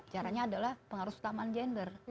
caranya adalah pengaruh utama gender